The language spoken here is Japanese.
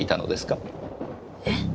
えっ？